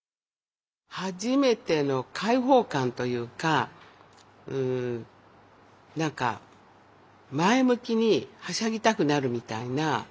初めての解放感というかなんか前向きにはしゃぎたくなるみたいな。